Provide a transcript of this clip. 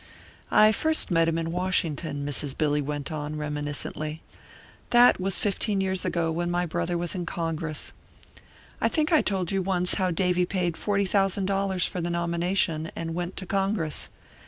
I first met him in Washington," Mrs. Billy went on, reminiscently; "that was fifteen years ago, when my brother was in Congress. I think I told you once how Davy paid forty thousand dollars for the nomination, and went to Congress.